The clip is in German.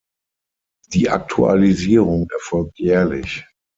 Die Aktualisierung erfolgt jährlich.